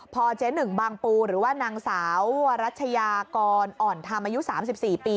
พอเจ๊หนึ่งบางปูหรือว่านางสาววรัชยากรอ่อนธรรมอายุ๓๔ปี